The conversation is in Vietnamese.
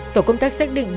tổ công tác xác định